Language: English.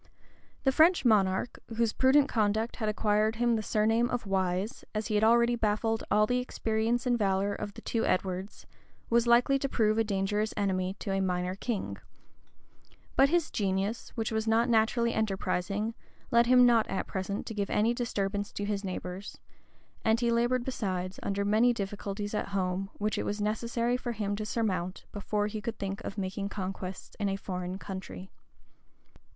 The French monarch, whose prudent conduct had acquired him the surname of Wise, as he had already baffled all the experience and valor of the two Edwards, was likely to prove a dangerous enemy to a minor king: but his genius, which was not naturally enterprising, led him not at present to give any disturbance to his neighbors; and he labored, besides, under many difficulties at home, which it was necessary for him to surmount, before he could think of making conquests in a foreign country.